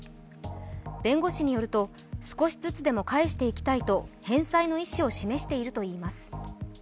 弁護士によると、少しずつでも返していきたいと返済の意思を示しているといいます。